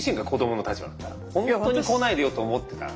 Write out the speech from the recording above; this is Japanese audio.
本当に来ないでよと思ってたら。